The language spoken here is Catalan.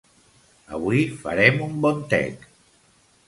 Avui farem un bon tec